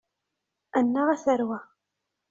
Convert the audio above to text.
Annaɣ, a tarwa!